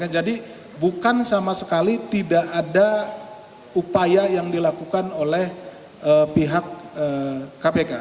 jadi bukan sama sekali tidak ada upaya yang dilakukan oleh pihak kpk